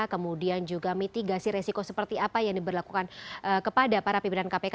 kemudian juga mitigasi resiko seperti apa yang diberlakukan kepada para pimpinan kpk